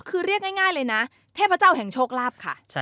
คือเรียกง่ายเลยนะเทพเจ้าแห่งโชคลาภค่ะ